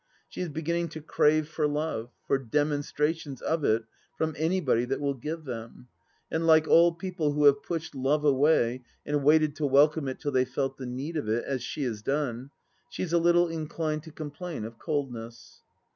She is beginning to crave for love, for de monstrations of it from anybody that will give them. And like all people who have pushed love away, and waited to welcome it till they felt the need of it, as she has done, she is a little inclined to complain of coldness.